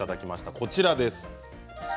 こちらです。